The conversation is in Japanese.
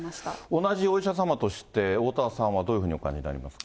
同じお医者様として、おおたわさんはどういうふうにお感じになられますか。